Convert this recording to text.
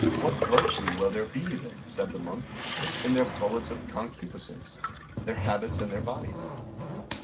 What virtue will there be then, said the monk, in their bullets of concupiscence, their habits and their bodies?